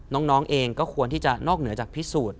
น้องเองก็ควรที่จะนอกเหนือจากพิสูจน์